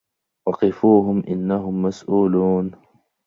وَقِفوهُم إِنَّهُم مَسئولونَ